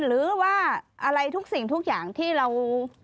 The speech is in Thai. หรือว่าอะไรทุกสิ่งทุกอย่างที่เรา